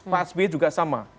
pak sbe juga sama